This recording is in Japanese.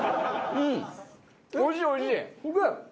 うん！